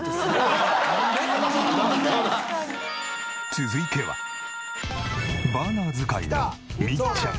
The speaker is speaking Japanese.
続いてはバーナー使いのみっちゃん。